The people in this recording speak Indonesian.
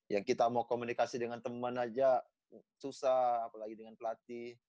ya kita mau komunikasi dengan teman aja susah apalagi dengan pelatih